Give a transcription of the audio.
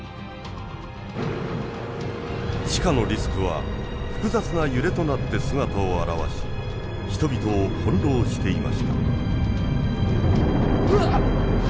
地下のリスクは複雑な揺れとなって姿を現し人々を翻弄していました。